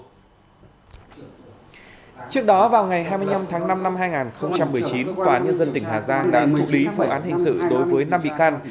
trước đó vào ngày hai mươi năm tháng năm năm hai nghìn một mươi chín tòa nhân dân tỉnh hà giang đã xử lý vụ án hình sự đối với năm bị can